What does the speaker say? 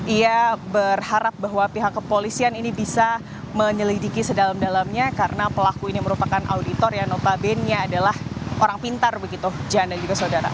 ia berharap bahwa pihak kepolisian ini bisa menyelidiki sedalam dalamnya karena pelaku ini merupakan auditor yang notabene nya adalah orang pintar begitu jan dan juga saudara